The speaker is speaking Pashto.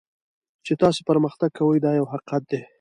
چې تاسو پرمختګ کوئ دا یو حقیقت دی.